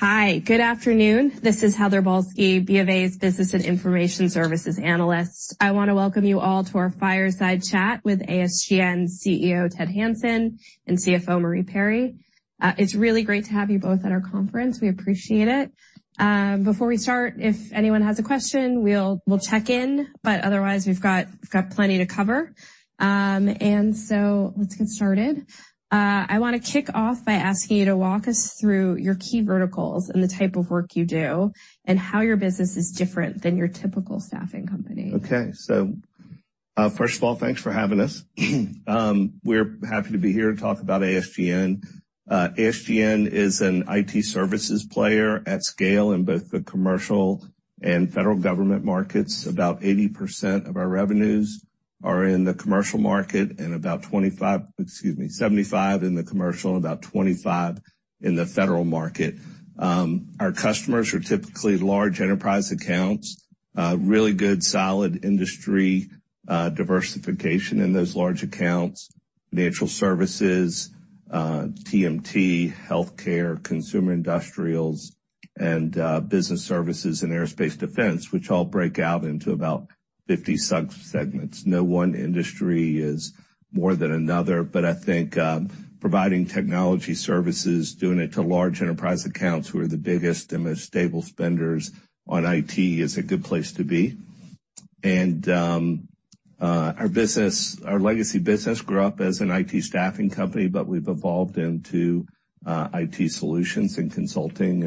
Hi, good afternoon. This is Heather Balsky, BofA's Business and Information Services analyst. I want to welcome you all to our fireside chat with ASGN CEO, Ted Hanson, and CFO, Marie Perry. It's really great to have you both at our conference. We appreciate it. Before we start, if anyone has a question, we'll check in, but otherwise we've got plenty to cover. Let's get started. I want to kick off by asking you to walk us through your key verticals and the type of work you do and how your business is different than your typical staffing company. Okay. First of all, thanks for having us. We're happy to be here to talk about ASGN. ASGN is an IT services player at scale in both the commercial and Federal Government markets. About 80% of our revenues are in the commercial market and about excuse me, 75% in the commercial and about 25% in the federal market. Our customers are typically large enterprise accounts, really good, solid industry diversification in those large accounts. Financial Services, TMT, Healthcare, Consumer Industrials, Business Services and Aerospace Defense, which all break out into about 50 subsegments. No one industry is more than another. I think providing technology services, doing it to large enterprise accounts who are the biggest and most stable spenders on IT is a good place to be. Our business, our legacy business grew up as an IT staffing company, but we've evolved into IT solutions and consulting,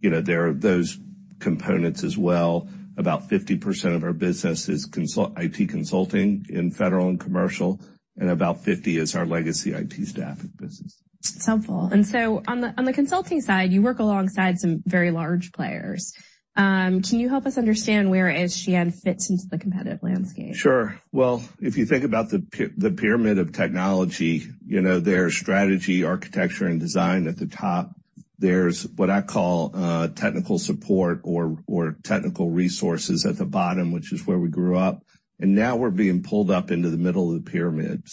you know, there are those components as well. About 50% of our business is IT consulting in federal and commercial, and about 50% is our legacy IT staffing business. It's helpful. On the consulting side, you work alongside some very large players. Can you help us understand where ASGN fits into the competitive landscape? Sure. Well, if you think about the pyramid of technology, you know, there's strategy, architecture, and design at the top. There's what I call technical support or technical resources at the bottom, which is where we grew up. Now we're being pulled up into the middle of the pyramid.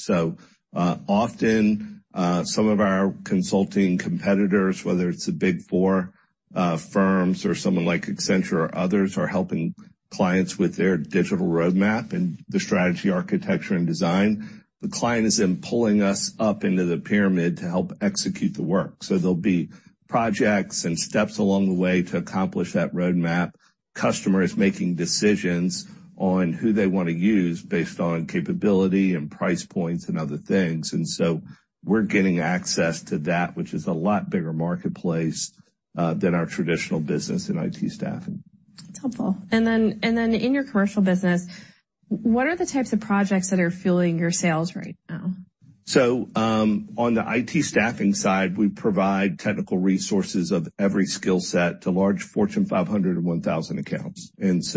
Often, some of our consulting competitors, whether it's the Big Four firms or someone like Accenture or others, are helping clients with their digital roadmap and the strategy, architecture, and design. The client is then pulling us up into the pyramid to help execute the work. There'll be projects and steps along the way to accomplish that roadmap. Customer is making decisions on who they wanna use based on capability and price points and other things. We're getting access to that, which is a lot bigger marketplace, than our traditional business in IT staffing. That's helpful. Then in your commercial business, what are the types of projects that are fueling your sales right now? On the IT staffing side, we provide technical resources of every skill set to large Fortune 500 and 1000 accounts. It's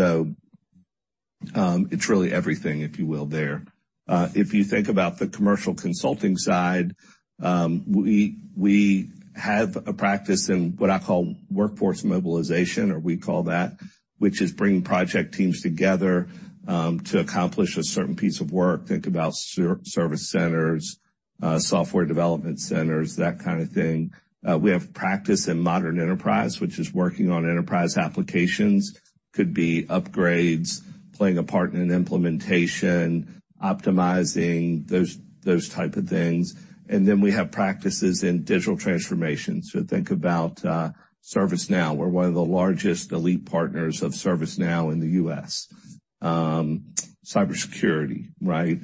really everything, if you will, there. If you think about the commercial consulting side, we have a practice in what I call workforce mobilization, or we call that, which is bringing project teams together to accomplish a certain piece of work. Think about service centers, software development centers, that kind of thing. We have practice in modern enterprise, which is working on enterprise applications. Could be upgrades, playing a part in an implementation, optimizing, those type of things. We have practices in digital transformation. Think about ServiceNow. We're one of the largest Elite Partners of ServiceNow in the U.S. Cybersecurity, right?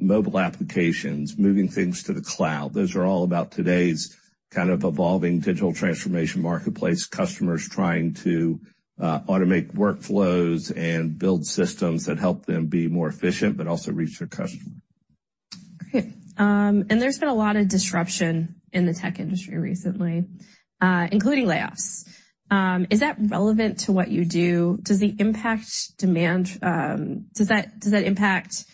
Mobile applications, moving things to the cloud. Those are all about today's kind of evolving digital transformation marketplace, customers trying to automate workflows and build systems that help them be more efficient but also reach their customer. Great. There's been a lot of disruption in the tech industry recently, including layoffs. Is that relevant to what you do? Does it impact demand? Does that impact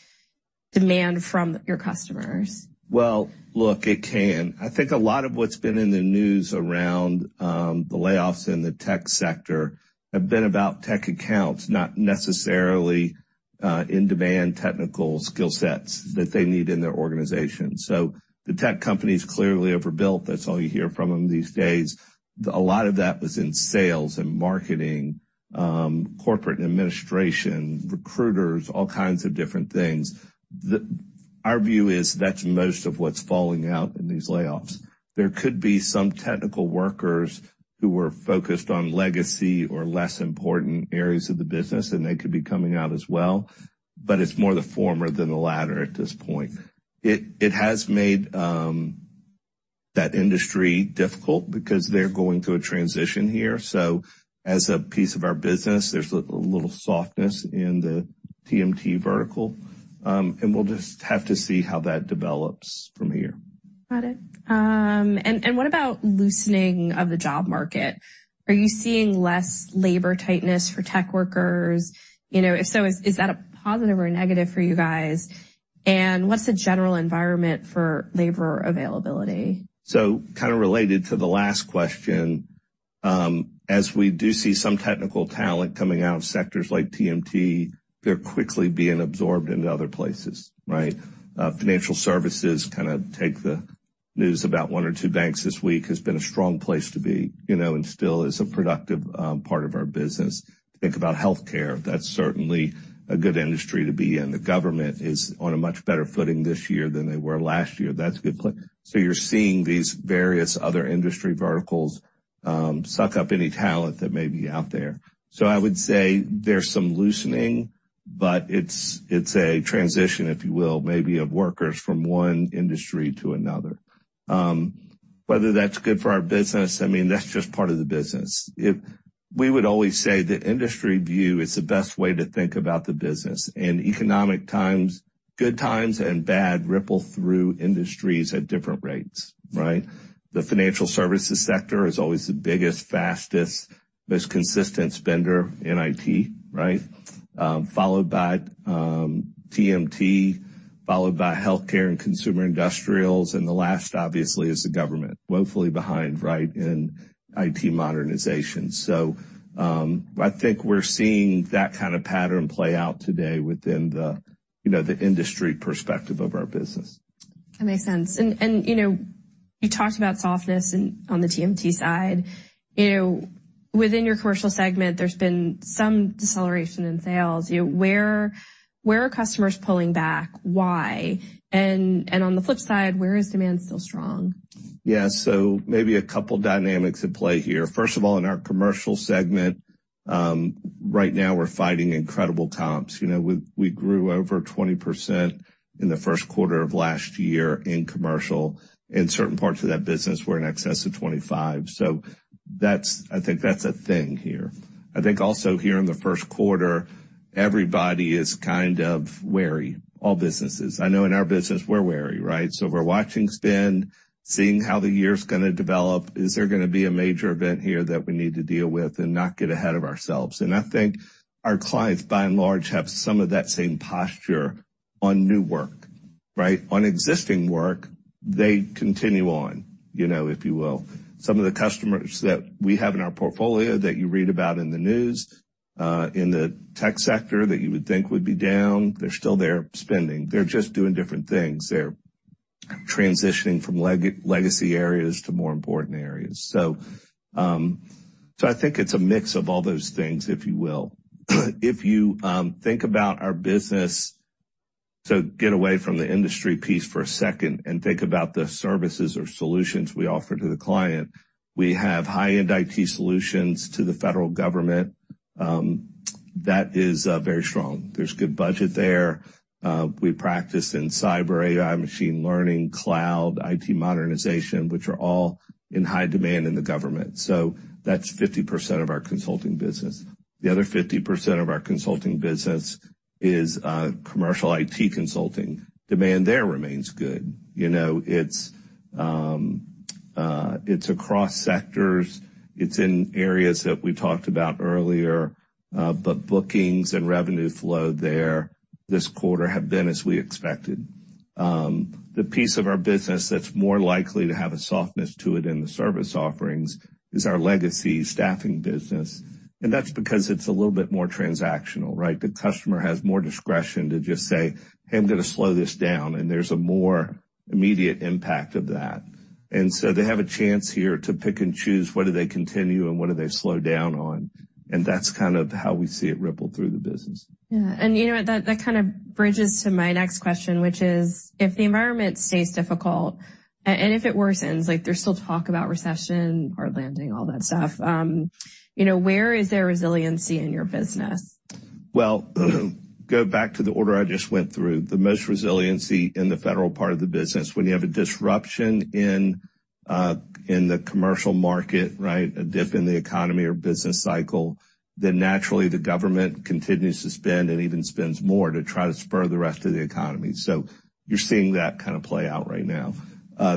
demand from your customers? Look, it can. I think a lot of what's been in the news around the layoffs in the tech sector have been about tech accounts, not necessarily in-demand technical skill sets that they need in their organization. The tech company's clearly overbuilt. That's all you hear from them these days. A lot of that was in sales and marketing, corporate administration, recruiters, all kinds of different things. Our view is that's most of what's falling out in these layoffs. There could be some technical workers who were focused on legacy or less important areas of the business, and they could be coming out as well, but it's more the former than the latter at this point. It has made that industry difficult because they're going through a transition here. As a piece of our business, there's a little softness in the TMT vertical, and we'll just have to see how that develops from here. Got it. What about loosening of the job market? Are you seeing less labor tightness for tech workers? You know, if so, is that a positive or a negative for you guys? What's the general environment for labor availability? Kind of related to the last question. As we do see some technical talent coming out of sectors like TMT, they're quickly being absorbed into other places, right? Financial Services kinda take the news about one or two banks this week has been a strong place to be, you know, and still is a productive part of our business. Think about Healthcare, that's certainly a good industry to be in. The government is on a much better footing this year than they were last year. That's a good place. You're seeing these various other industry verticals suck up any talent that may be out there. I would say there's some loosening, but it's a transition, if you will, maybe of workers from one industry to another. Whether that's good for our business, I mean, that's just part of the business. We would always say that industry view is the best way to think about the business. Economic times, good times and bad, ripple through industries at different rates, right? The Financial Services sector is always the biggest, fastest, most consistent spender in IT, right? Followed by TMT, followed by Healthcare and Consumer Industrials, and the last, obviously, is the government, woefully behind, right, in IT modernization. I think we're seeing that kind of pattern play out today within the, you know, the industry perspective of our business. That makes sense. You know, you talked about softness on the TMT side. You know, within your commercial segment, there's been some deceleration in sales. You know, where are customers pulling back? Why? On the flip side, where is demand still strong? Yeah. Maybe a couple dynamics at play here. First of all, in our commercial segment, right now we're fighting incredible comps. You know, we grew over 20% in the first quarter of last year in commercial. In certain parts of that business, we're in excess of 25%. I think that's a thing here. I think also here in the first quarter, everybody is kind of wary, all businesses. I know in our business we're wary, right? We're watching spend, seeing how the year's gonna develop. Is there gonna be a major event here that we need to deal with and not get ahead of ourselves? I think our clients, by and large, have some of that same posture on new work, right? On existing work, they continue on, you know, if you will. Some of the customers that we have in our portfolio that you read about in the news, in the tech sector that you would think would be down, they're still there spending. They're just doing different things. They're transitioning from legacy areas to more important areas. I think it's a mix of all those things, if you will. You think about our business, get away from the industry piece for a second and think about the services or solutions we offer to the client, we have high-end IT solutions to the Federal Government, that is, very strong. There's good budget there. We practice in cyber, AI, machine learning, cloud, IT modernization, which are all in high demand in the government. That's 50% of our consulting business. The other 50% of our consulting business is Commercial IT consulting. Demand there remains good. You know, it's across sectors. It's in areas that we talked about earlier, bookings and revenue flow there this quarter have been as we expected. The piece of our business that's more likely to have a softness to it in the service offerings is our legacy staffing business, that's because it's a little bit more transactional, right? The customer has more discretion to just say, "Hey, I'm gonna slow this down," there's a more immediate impact of that. They have a chance here to pick and choose what do they continue and what do they slow down on. That's kind of how we see it ripple through the business. Yeah. You know what? That kind of bridges to my next question, which is, if the environment stays difficult and if it worsens, like there's still talk about recession, hard landing, all that stuff, you know, where is there resiliency in your business? Go back to the order I just went through. The most resiliency in the federal part of the business. When you have a disruption in the commercial market, right, a dip in the economy or business cycle, then naturally the government continues to spend and even spends more to try to spur the rest of the economy. You're seeing that kind of play out right now.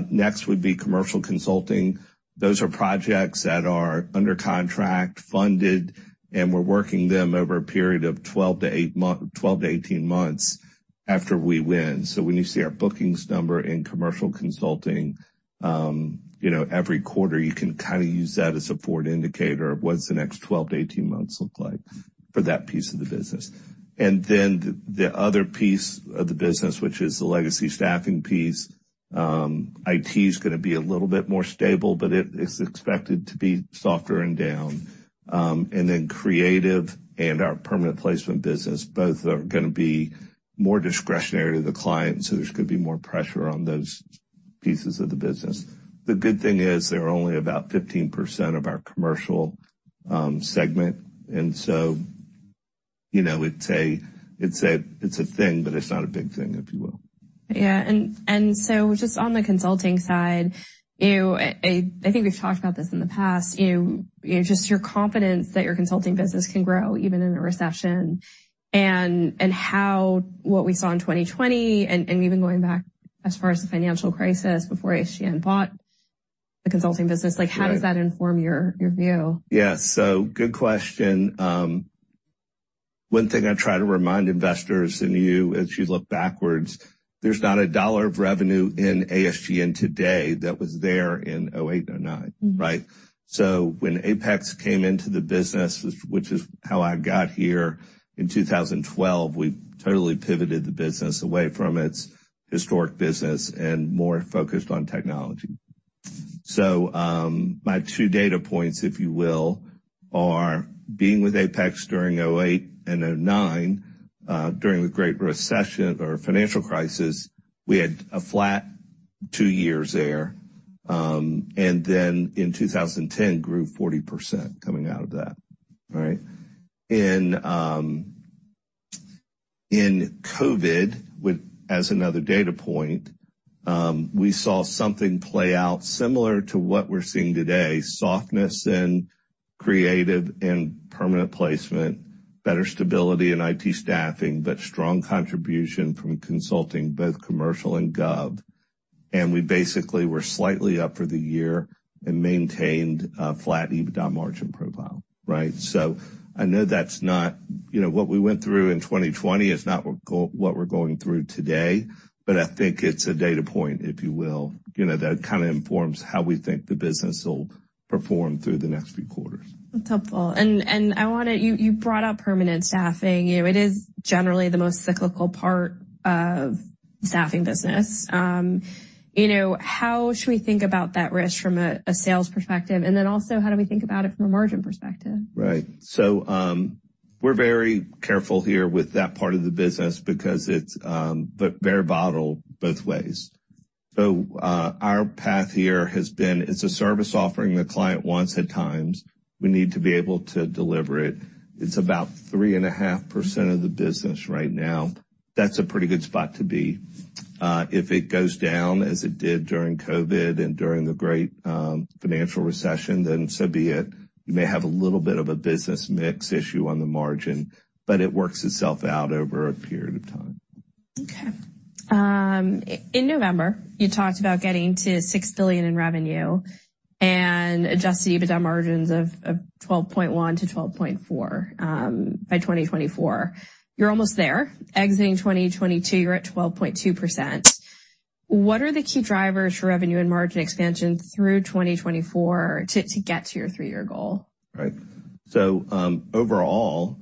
Next would be commercial consulting. Those are projects that are under contract, funded, and we're working them over a period of 12 to 18 months after we win. When you see our bookings number in commercial consulting, you know, every quarter, you can kinda use that as a forward indicator of what's the next 12 to 18 months look like for that piece of the business. Then the other piece of the business, which is the legacy staffing piece, IT is gonna be a little bit more stable, but it is expected to be softer and down. Then creative and our permanent placement business both are gonna be more discretionary to the client, so there's gonna be more pressure on those pieces of the business. The good thing is they are only about 15% of our commercial segment. So, you know, it's a thing, but it's not a big thing, if you will. Yeah. Just on the consulting side, I think we've talked about this in the past, you know, just your confidence that your consulting business can grow even in a recession and how what we saw in 2020 and even going back as far as the financial crisis before H&N bought the consulting business, like how does that inform your view? Yeah. Good question. One thing I try to remind investors and you as you look backwards, there's not a dollar of revenue in ASGN today that was there in 2008, 2009, right? When Apex came into the business, which is how I got here in 2012, we totally pivoted the business away from its historic business and more focused on technology. My two data points, if you will, are being with Apex during 2008 and 2009 during the great recession or financial crisis. We had a flat two years there, and then in 2010 grew 40% coming out of that. All right? In COVID as another data point, we saw something play out similar to what we're seeing today, softness in creative and permanent placement, better stability in IT staffing, but strong contribution from consulting, both commercial and gov. We basically were slightly up for the year and maintained a flat EBITDA margin profile, right? I know that's not, you know, what we went through in 2020 is not what we're going through today, but I think it's a data point, if you will. You know, that kind of informs how we think the business will perform through the next few quarters. That's helpful. You brought up permanent staffing. You know, it is generally the most cyclical part of staffing business. You know, how should we think about that risk from a sales perspective? Then also, how do we think about it from a margin perspective? Right. We're very careful here with that part of the business because it's very vital both ways. Our path here has been, it's a service offering the client wants at times. We need to be able to deliver it. It's about 3.5% of the business right now. That's a pretty good spot to be. If it goes down as it did during COVID and during the great financial recession, so be it. You may have a little bit of a business mix issue on the margin, but it works itself out over a period of time. Okay. In November, you talked about getting to $6 billion in revenue and Adjusted EBITDA margins of 12.1%-12.4% by 2024. You're almost there. Exiting 2022, you're at 12.2%. What are the key drivers for revenue and margin expansion through 2024 to get to your three-year goal? Right. overall,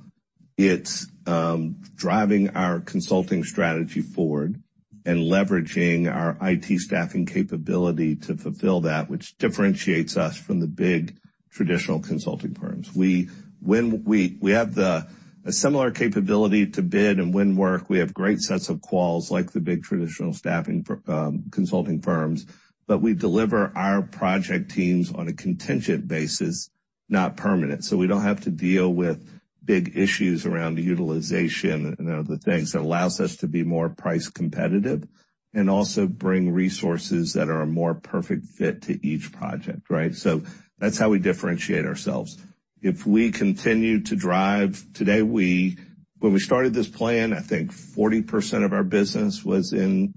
it's driving our consulting strategy forward and leveraging our IT staffing capability to fulfill that, which differentiates us from the big traditional consulting firms. When we have a similar capability to bid and win work. We have great sets of quals like the big traditional staffing consulting firms, but we deliver our project teams on a contingent basis, not permanent. We don't have to deal with big issues around utilization and other things. That allows us to be more price competitive and also bring resources that are a more perfect fit to each project, right? That's how we differentiate ourselves. If we continue to drive... Today, when we started this plan, I think 40% of our business was in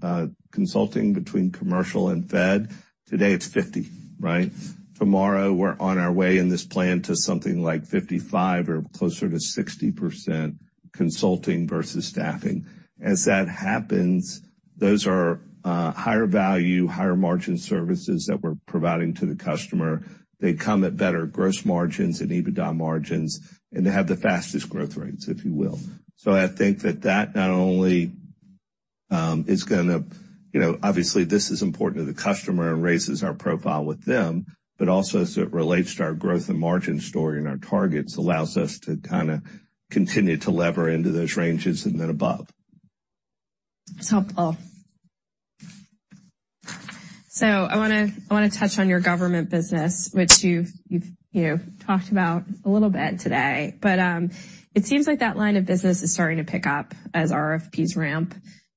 consulting between commercial and fed. Today, it's 50%, right? Tomorrow, we're on our way in this plan to something like 55% or closer to 60% consulting versus staffing. As that happens, those are higher value, higher margin services that we're providing to the customer. They come at better gross margins and EBITDA margins, and they have the fastest growth rates, if you will. I think that that not only is gonna, you know, obviously this is important to the customer and raises our profile with them, but also as it relates to our growth and margin story and our targets, allows us to kinda continue to lever into those ranges and then above. It's helpful. I wanna touch on your government business, which you've, you know, talked about a little bit today. It seems like that line of business is starting to pick up as RFPs ramp.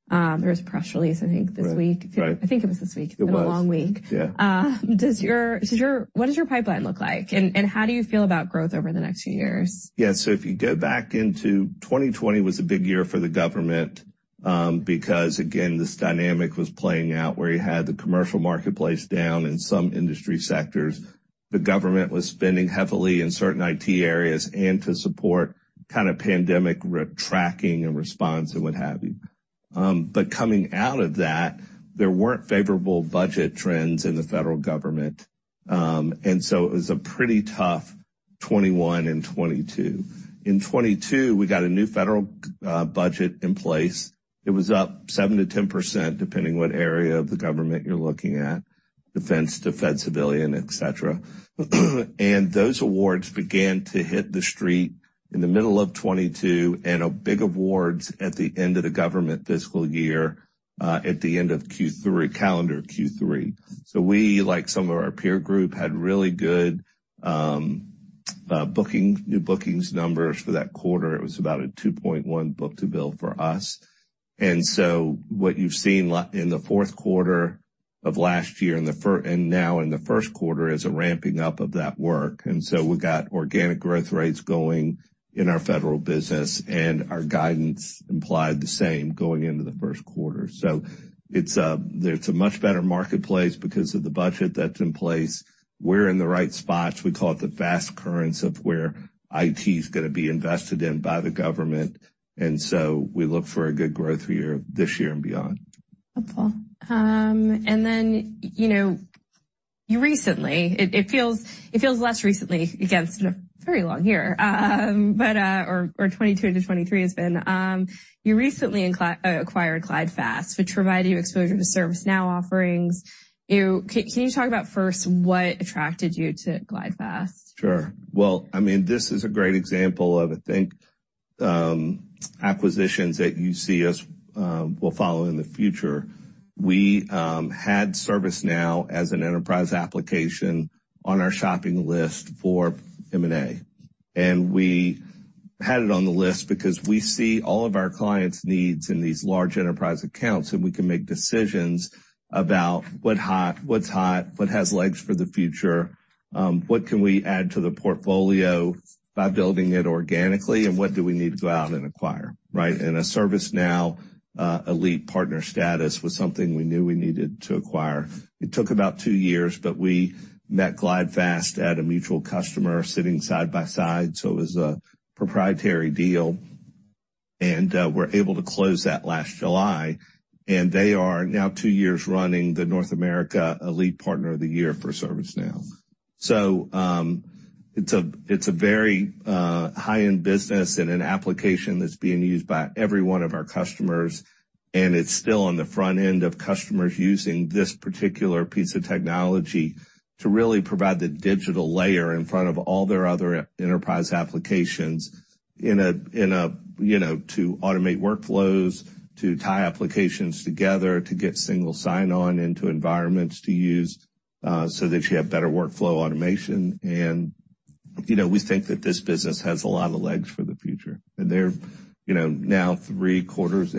There was a press release, I think, this week. Right. I think it was this week. It was. It's been a long week. Yeah. What does your pipeline look like, and how do you feel about growth over the next few years? If you go back into 2020 was a big year for the government, because again, this dynamic was playing out where you had the commercial marketplace down in some industry sectors. The government was spending heavily in certain IT areas and to support kinda pandemic tracking and response and what have you. Coming out of that, there weren't favorable budget trends in the Federal Government. It was a pretty tough 2021 and 2022. In 2022, we got a new federal budget in place. It was up 7%-10%, depending what area of the government you're looking at, defense civilian, etc. Those awards began to hit the street in the middle of 2022 and big awards at the end of the government fiscal year at the end of Q3, calendar Q3. We, like some of our peer group, had really good booking, new bookings numbers for that quarter. It was about a 2.1 book-to-bill for us. What you've seen in the fourth quarter of last year and now in the first quarter is a ramping up of that work. We've got organic growth rates going in our federal business, and our guidance implied the same going into the first quarter. It's a, there's a much better marketplace because of the budget that's in place. We're in the right spots. We call it the fast currents of where IT is gonna be invested in by the government. We look for a good growth year this year and beyond. You know, you recently... It feels less recently, again, it's been a very long year, or 2022 into 2023 has been. You recently acquired GlideFast, which provided you exposure to ServiceNow offerings. Can you talk about first what attracted you to GlideFast? Sure. Well, I mean, this is a great example of, I think, acquisitions that you see us will follow in the future. We had ServiceNow as an enterprise application on our shopping list for M&A. We had it on the list because we see all of our clients' needs in these large enterprise accounts, and we can make decisions about what hot, what's hot, what has legs for the future, what can we add to the portfolio by building it organically, and what do we need to go out and acquire, right? A ServiceNow Elite Partner status was something we knew we needed to acquire. It took about two years, but we met GlideFast at a mutual customer sitting side by side, so it was a proprietary deal. We're able to close that last July, and they are now two years running the North America Elite Partner of the Year for ServiceNow. It's a, it's a very high-end business and an application that's being used by every one of our customers, and it's still on the front end of customers using this particular piece of technology to really provide the digital layer in front of all their other e-enterprise applications in a, in a, you know, to automate workflows, to tie applications together, to get single sign-on into environments to use so that you have better workflow automation. We think that this business has a lot of legs for the future. They're, you know, now three quarters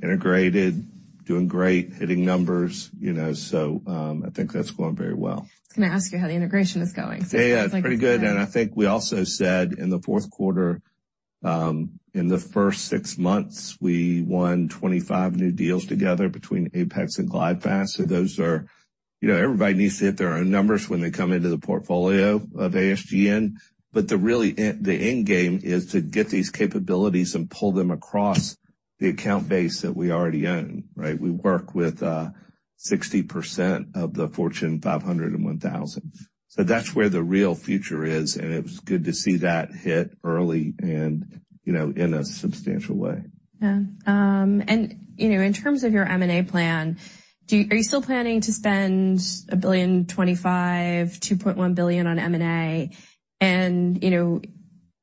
integrated, doing great, hitting numbers, you know. I think that's going very well. I was gonna ask you how the integration is going. Yeah, yeah. It's pretty good. I think we also said in the fourth quarter, in the first six months, we won 25 new deals together between Apex and GlideFast. You know, everybody needs to hit their own numbers when they come into the portfolio of ASGN. The end game is to get these capabilities and pull them across the account base that we already own, right? We work with 60% of the Fortune 500 and 1,000. That's where the real future is, and it was good to see that hit early and, you know, in a substantial way. Yeah. you know, in terms of your M&A plan, are you still planning to spend $1.25 billion, $2.1 billion on M&A? you know,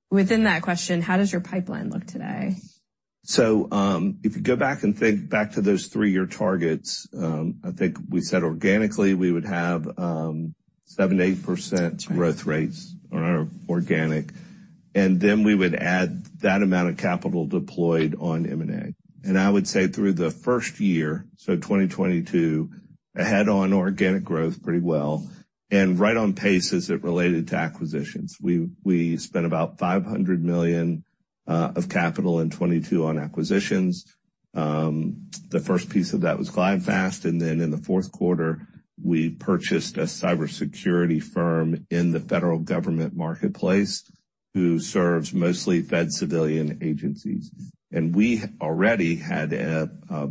within that question, how does your pipeline look today? If you go back and think back to those three-year targets, I think we said organically we would have 7%-8% growth rates on our organic, then we would add that amount of capital deployed on M&A. I would say through the first year, so 2022, ahead on organic growth pretty well, and right on pace as it related to acquisitions. We spent about $500 million of capital in 2022 on acquisitions. The first piece of that was GlideFast, then in the fourth quarter, we purchased a cybersecurity firm in the Federal Government marketplace who serves mostly fed civilian agencies. We already had a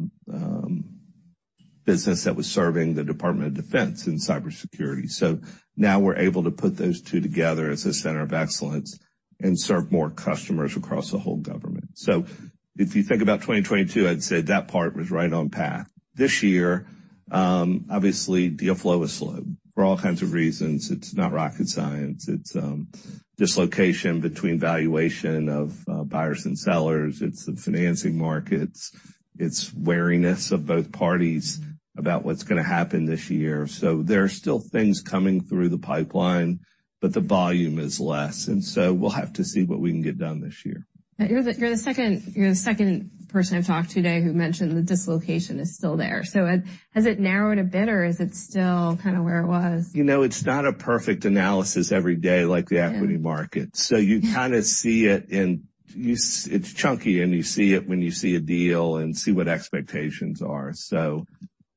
business that was serving the Department of Defense in Cybersecurity. Now we're able to put those two together as a center of excellence and serve more customers across the whole government. If you think about 2022, I'd say that part was right on path. This year, obviously, deal flow is slow for all kinds of reasons. It's not rocket science. It's dislocation between valuation of buyers and sellers. It's the financing markets. It's wariness of both parties about what's gonna happen this year. There are still things coming through the pipeline, but the volume is less, and so we'll have to see what we can get done this year. You're the second person I've talked to today who mentioned the dislocation is still there. Has it narrowed a bit, or is it still kind of where it was? You know, it's not a perfect analysis every day like the equity market. You kinda see it and it's chunky, and you see it when you see a deal and see what expectations are.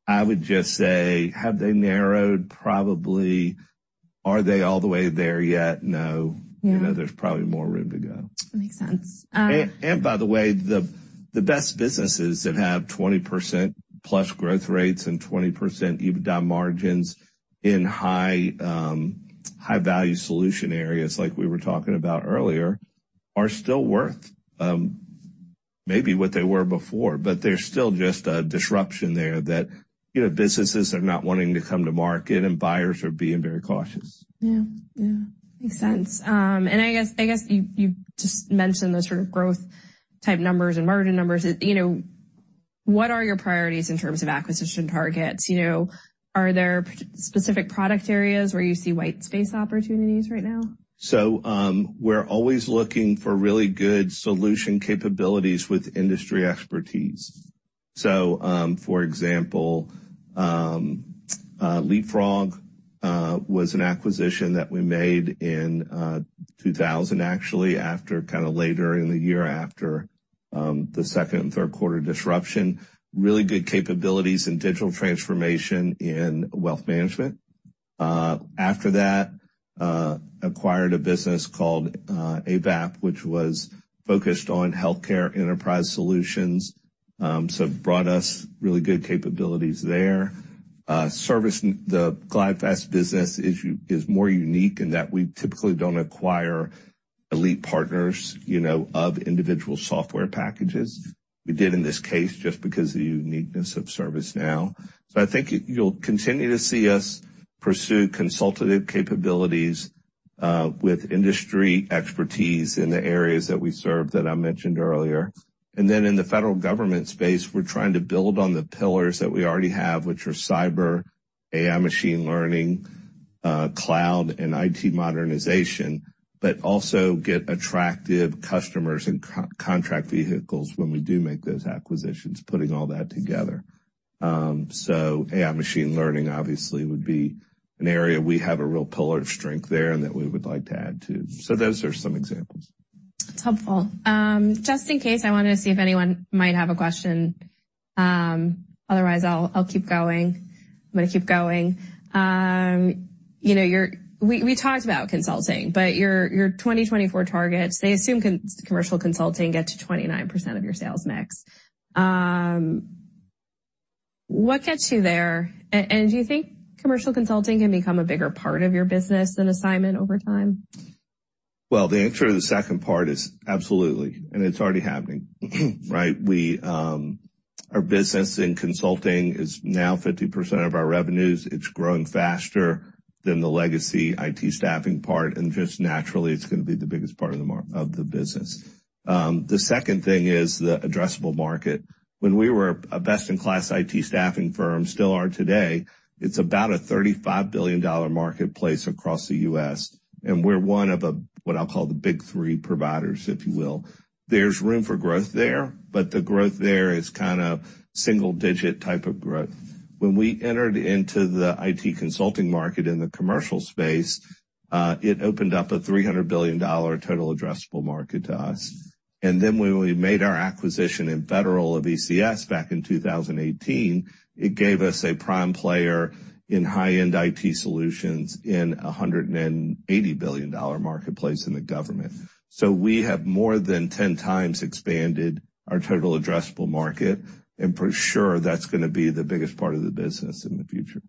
I would just say, have they narrowed? Probably. Are they all the way there yet? No. Yeah. You know, there's probably more room to go. Makes sense. By the way, the best businesses that have 20% plus growth rates and 20% EBITDA margins in high, high-value solution areas like we were talking about earlier, are still worth, maybe what they were before, but there's still just a disruption there that, you know, businesses are not wanting to come to market and buyers are being very cautious. Yeah. Yeah. Makes sense. I guess you just mentioned the sort of growth type numbers and margin numbers. You know, what are your priorities in terms of acquisition targets? You know, are there specific product areas where you see white space opportunities right now? We're always looking for really good solution capabilities with industry expertise. For example, LeapFrog was an acquisition that we made in 2000 actually, after later in the year after the second and third quarter disruption. Really good capabilities in digital transformation in wealth management. After that, acquired a business called Avaap, which was focused on healthcare enterprise solutions. So brought us really good capabilities there. Service, the GlideFast business is more unique in that we typically don't acquire elite partners, you know, of individual software packages. We did in this case just because of the uniqueness of ServiceNow. I think you'll continue to see us pursue consultative capabilities with industry expertise in the areas that we serve that I mentioned earlier. In the Federal Government space, we're trying to build on the pillars that we already have, which are cyber, AI machine learning, cloud, and IT modernization, but also get attractive customers and contract vehicles when we do make those acquisitions, putting all that together. AI machine learning obviously would be an area we have a real pillar of strength there and that we would like to add to. Those are some examples. That's helpful. Just in case, I wanted to see if anyone might have a question. Otherwise, I'll keep going. I'm gonna keep going. You know, we talked about consulting, but your 2024 targets, they assume commercial consulting get to 29% of your sales mix. What gets you there? Do you think commercial consulting can become a bigger part of your business than assignment over time? The answer to the second part is absolutely, and it's already happening. Right? Our business in consulting is now 50% of our revenues. It's growing faster than the legacy IT staffing part, just naturally, it's gonna be the biggest part of the business. The second thing is the addressable market. When we were a best-in-class IT staffing firm, still are today, it's about a $35 billion marketplace across the U.S., we're one of a, what I'll call the big three providers, if you will. The growth there is kinda single-digit type of growth. When we entered into the IT consulting market in the commercial space, it opened up a $300 billion total addressable market to us. When we made our acquisition in federal of ECS back in 2018, it gave us a prime player in high-end IT solutions in a $180 billion marketplace in the government. We have more than 10 times expanded our total addressable market, and for sure that's gonna be the biggest part of the business in the future.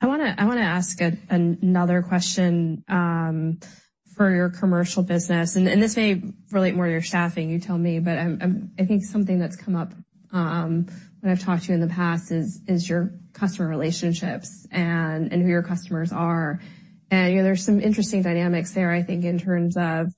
I wanna ask another question for your commercial business, and this may relate more to your staffing, you tell me, but I think something that's come up when I've talked to you in the past is your customer relationships and who your customers are. You know, there's some interesting dynamics there, I think, in terms of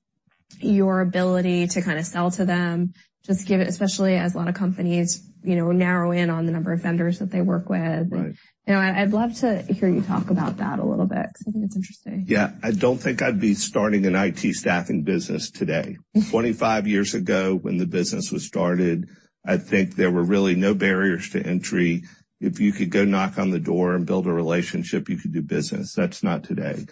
your ability to kinda sell to them. Just give it, especially as a lot of companies, you know, narrow in on the number of vendors that they work with. Right. You know, I'd love to hear you talk about that a little bit because I think it's interesting. Yeah. I don't think I'd be starting an IT staffing business today. 25 years ago, when the business was started, I think there were really no barriers to entry. If you could go knock on the door and build a relationship, you could do business. That's not today.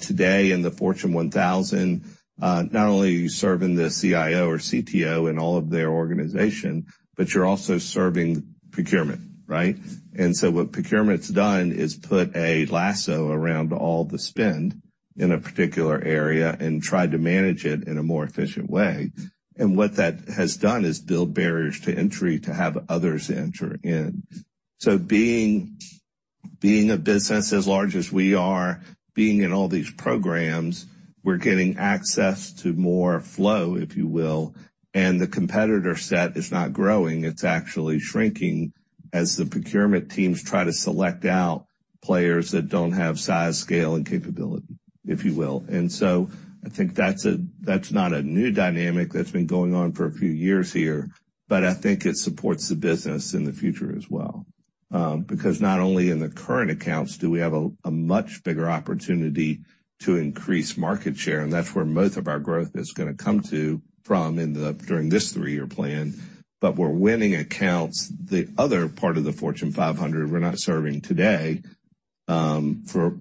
Today in the Fortune 1,000, not only are you serving the CIO or CTO and all of their organization, but you're also serving procurement, right? What procurement's done is put a lasso around all the spend in a particular area and tried to manage it in a more efficient way. What that has done is build barriers to entry to have others enter in. Being a business as large as we are, being in all these programs, we're getting access to more flow, if you will. The competitor set is not growing, it's actually shrinking as the procurement teams try to select out players that don't have size, scale, and capability, if you will. I think that's not a new dynamic that's been going on for a few years here. I think it supports the business in the future as well. Because not only in the current accounts do we have a much bigger opportunity to increase market share, and that's where most of our growth is gonna come to from during this three-year plan, but we're winning accounts, the other part of the Fortune 500 we're not serving today,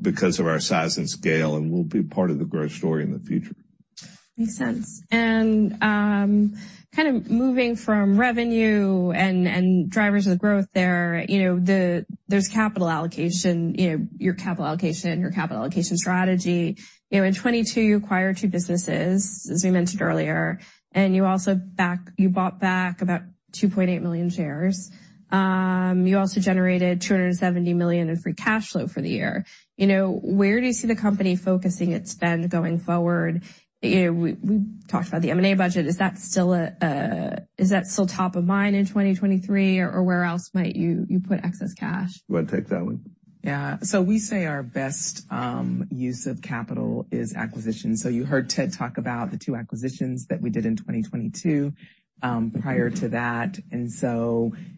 because of our size and scale, and we'll be part of the growth story in the future. Kind of moving from revenue and drivers of growth there, you know, there's capital allocation, you know, your capital allocation strategy. You know, in 2022, you acquired two businesses, as you mentioned earlier, and you also bought back about $2.8 million shares. You also generated $270 million in free cash flow for the year. You know, where do you see the company focusing its spend going forward? You know, we talked about the M&A budget. Is that still a Is that still top of mind in 2023, or where else might you put excess cash? You wanna take that one? Yeah. We say our best use of capital is acquisition. You heard Ted talk about the two acquisitions that we did in 2022, prior to that.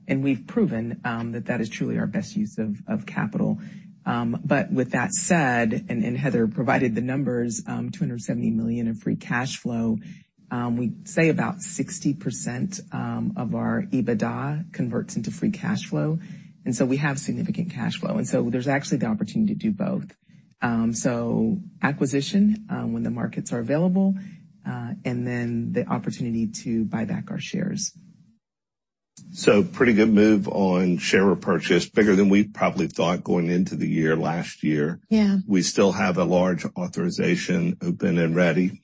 We've proven that that is truly our best use of capital. With that said, and Heather provided the numbers, $270 million in free cash flow, we say about 60% of our EBITDA converts into free cash flow. We have significant cash flow. There's actually the opportunity to do both. Acquisition, when the markets are available, then the opportunity to buy back our shares. Pretty good move on share repurchase, bigger than we probably thought going into the year last year. Yeah. We still have a large authorization open and ready.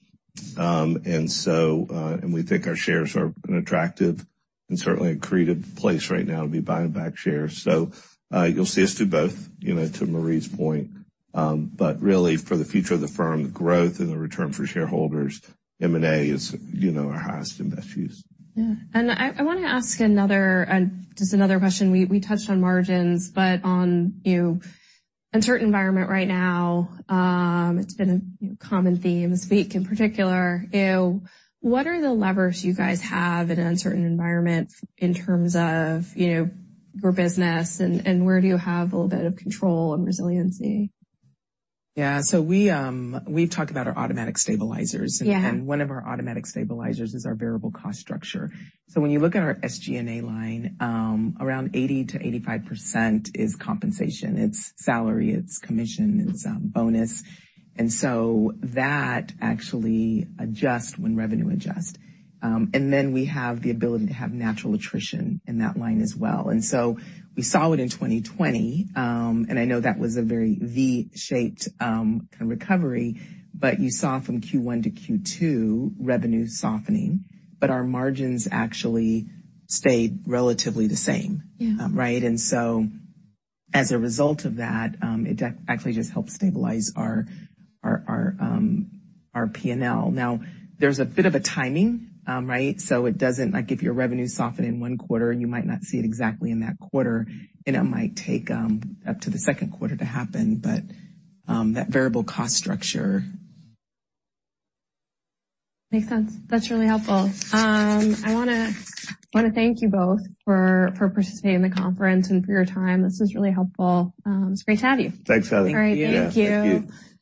We think our shares are an attractive and certainly accretive place right now to be buying back shares. You'll see us do both, you know, to Marie's point. Really for the future of the firm, the growth and the return for shareholders, M&A is, you know, our highest and best use. Yeah. I wanna ask just another question. We touched on margins, but on, you know, uncertain environment right now, it's been a, you know, common theme this week in particular. You know, what are the levers you guys have in an uncertain environment in terms of, you know, your business and where do you have a little bit of control and resiliency? Yeah. We talk about our automatic stabilizers. Yeah. One of our automatic stabilizers is our variable cost structure. When you look at our SG&A line, around 80%-85% is compensation. It's salary, it's commission, it's bonus. That actually adjusts when revenue adjusts. We have the ability to have natural attrition in that line as well. We saw it in 2020, and I know that was a very V-shaped kind of recovery, but you saw from Q1 to Q2 revenue softening, but our margins actually stayed relatively the same. Yeah. Right? As a result of that, it actually just helps stabilize our P&L. There's a bit of a timing, right? It doesn't like if your revenue soften in one quarter, you might not see it exactly in that quarter, and it might take, up to the second quarter to happen. That variable cost structure. Makes sense. That's really helpful. I wanna thank you both for participating in the conference and for your time. This was really helpful. It's great to have you. Thanks, Heather. Thank you. All right. Thank you. Yeah. Thank you.